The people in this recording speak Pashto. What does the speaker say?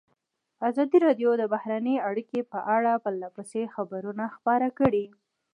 ازادي راډیو د بهرنۍ اړیکې په اړه پرله پسې خبرونه خپاره کړي.